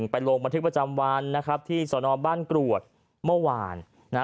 ไปโรงบันทึกประจำวันนะครับที่สอนอมบ้านกรวจเมื่อวานนะฮะ